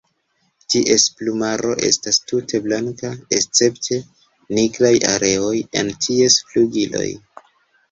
Ties plumaro estas tute blanka escepte nigraj areoj en ties flugiloj.